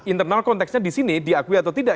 internal konteksnya disini diakui atau tidak